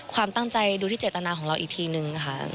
ความตั้งใจดูที่เจตนาของเราอีกทีนึงค่ะ